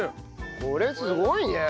これすごいね。